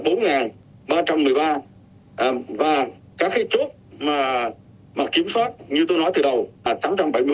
các cái chốt mà kiểm soát như tôi nói từ đầu là tám trăm bảy mươi bốn